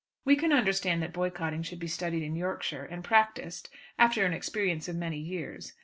We can understand that boycotting should be studied in Yorkshire, and practised, after an experience of many years.